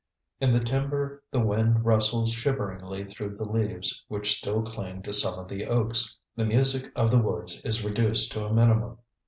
In the timber the wind rustles shiveringly through the leaves which still cling to some of the oaks. The music of the woods is reduced to a minimum.